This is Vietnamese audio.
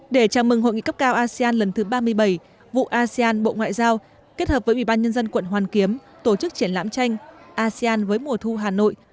để chào mừng hội nghị cấp cao asean lần thứ ba mươi bảy vụ asean bộ ngoại giao kết hợp với ubnd quận hoàn kiếm tổ chức triển lãm tranh asean với mùa thu hà nội